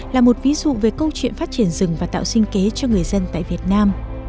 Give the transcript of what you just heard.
là một ví dụ về câu chuyện phát triển rừng và tạo sinh kế cho người dân tại việt nam